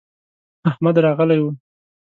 احمد راغلی و.